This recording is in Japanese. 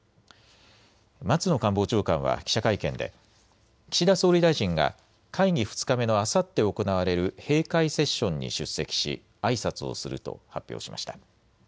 松野官房長官は記者会見で岸田総理大臣が会議２日目のあさって行われる閉会セッションに出席しあいさつをすると発表しました。